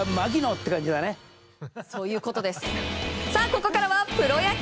ここからはプロ野球。